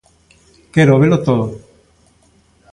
Quero velo todo.